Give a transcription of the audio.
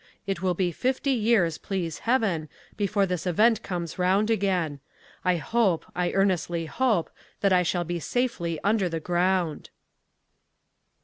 It will be fifty years, please heaven, before this event comes round again. I hope, I earnestly hope, that I shall be safely under the ground.